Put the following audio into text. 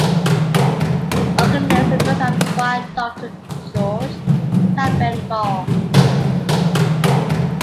Organist and Director of Choir Doctor George Thalben-Ball.